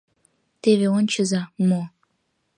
— Теве ончыза — мо!